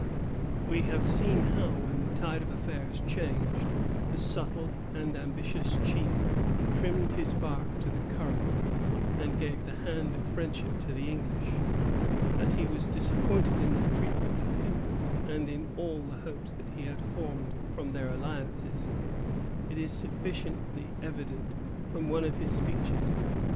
We have seen how, when the tide of affairs changed, the subtle and ambitious chief trimmed his bark to the current, and gave the hand of friendship to the English. That he was disappointed in their treatment of him, and in all the hopes that he had formed from their alliance, is sufficiently evident from one of his speeches.